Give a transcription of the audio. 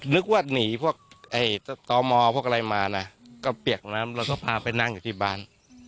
นึกว่าหนีพวกต่อมอเขามาก็ไปที่บ้าน